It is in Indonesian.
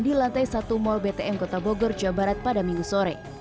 di lantai satu mal btn kota bogor jawa barat pada minggu sore